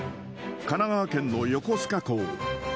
神奈川県の横須賀港。